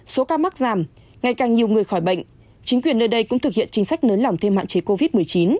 số ca mắc giảm ngày càng nhiều người khỏi bệnh chính quyền nơi đây cũng thực hiện chính sách nới lỏng thêm hạn chế covid một mươi chín